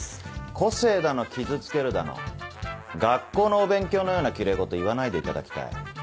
個性だの傷つけるだの学校のお勉強のようなキレイ事言わないでいただきたい。